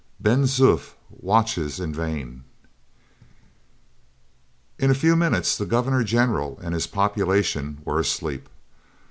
BEN ZOOF WATCHES IN VAIN In a few minutes the governor general and his population were asleep.